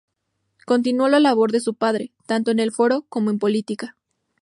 Continuó la labor de su padre, tanto en el foro, como en política.